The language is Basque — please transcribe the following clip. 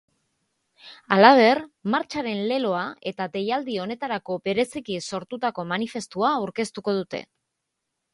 Halaber, martxaren leloa eta deialdi honetarako bereziki sortutako manifestua aurkeztuko dute.